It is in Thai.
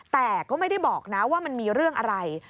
แต่ก็ไม่ได้บอกนะว่ามันมีเรื่องอะไร